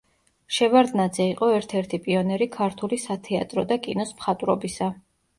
შევარდნაძე იყო ერთ-ერთი პიონერი ქართული სათეატრო და კინოს მხატვრობისა.